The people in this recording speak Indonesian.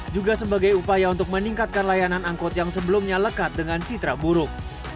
juga sebagai upaya untuk meningkatkan layanan angkot yang sebelumnya lekat dengan citra buruk